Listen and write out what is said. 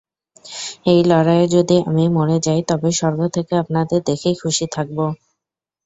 এই লড়াইয়ে যদি আমি মরে যাই, তবে স্বর্গ থেকে আপনাদের দেখেই খুশি থাকব।